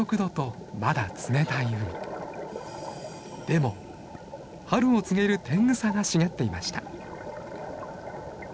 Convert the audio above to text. でも春を告げるテングサが茂っていました。